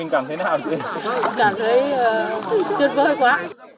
mình cảm thấy tuyệt vời quá